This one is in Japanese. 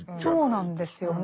そうなんですよね。